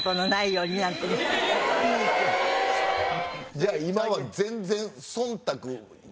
じゃあ今は全然。